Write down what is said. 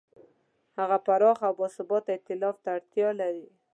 هغه پراخ او باثباته ایتلاف ته اړتیا لري.